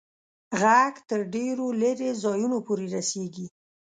ږغ تر ډېرو لیري ځایونو پوري رسیږي.